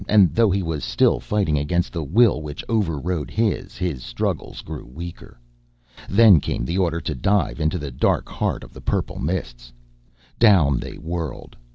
And, though he was still fighting against the will which over rode his, his struggles grew weaker. Then came the order to dive into the dark heart of the purple mists. Down they whirled.